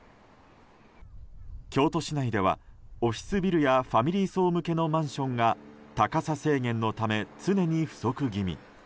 京都市内では、オフィスビルやファミリー層向けのマンションが高さ制限のため、常に不足気味。